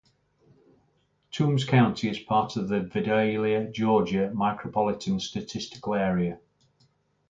Toombs County is part of the Vidalia, Georgia Micropolitan Statistical Area.